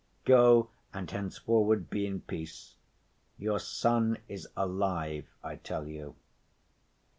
Go, and henceforward be in peace. Your son is alive, I tell you."